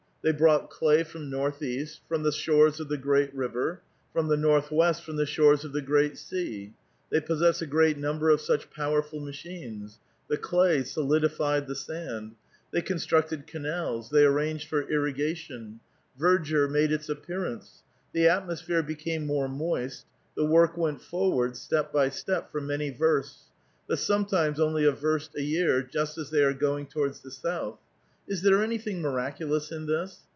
They brought clay from north east, from the shores of the great river ; from the north west, from the shores of the great sea. They possess a great number of such powerful machines: the clay solidified the sand ; they constructed canals ; they arranged for irrigation ; verdure made its appearance ; the at mospiiere became more moist ; the work went forward step by stt»p, for many versts, but sometimes only a verst a year, just as they are going towards the south ; is there anything miraculous in this